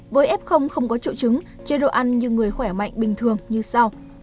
với f không có trụ trứng chế độ ăn như người khỏe mạnh bình thường như sau